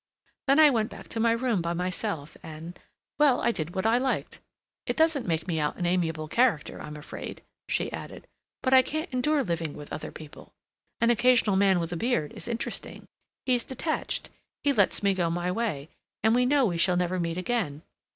Then I went back to my room by myself and—well, I did what I liked. It doesn't make me out an amiable character, I'm afraid," she added, "but I can't endure living with other people. An occasional man with a beard is interesting; he's detached; he lets me go my way, and we know we shall never meet again.